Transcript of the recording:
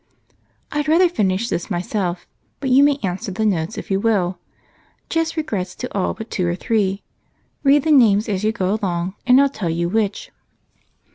"I'd rather finish this myself, but you may answer the notes if you will. Just regrets to all but two or three. Read the names as you go along and I'll tell you which."